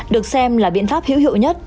được xem là biện pháp hữu hiệu nhất